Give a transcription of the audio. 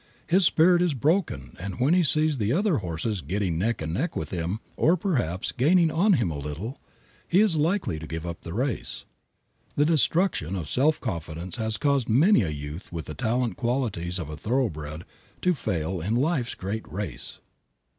His spirit is broken and when he sees the other horses getting neck and neck with him, or perhaps gaining on him a little, he is likely to give up the race. The destruction of self confidence has caused many a youth with the latent qualities of a thoroughbred to fail in life's great race.